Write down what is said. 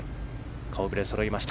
顔ぶれがそろいました。